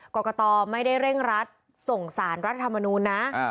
กรกตไม่ได้เร่งรัดส่งสารรัฐธรรมนูญนะ